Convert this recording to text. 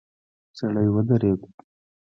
سړی ودرید.